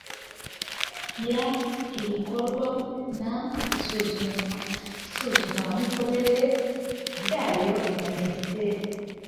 y ibikorwa n isuzumamikorere ryayo na Minisiteri